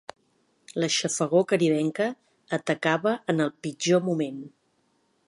La xafogor caribenca atacava en el pitjor moment.